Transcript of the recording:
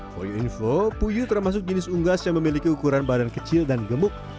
foyo info puyuh termasuk jenis unggas yang memiliki ukuran badan kecil dan gemuk